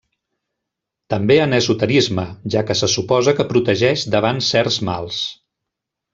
També en esoterisme, ja que se suposa que protegeix davant certs mals.